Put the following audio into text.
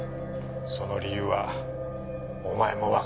その理由はお前もわかってるな？